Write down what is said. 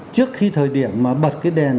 trước khi thời điểm mà bật cái đèn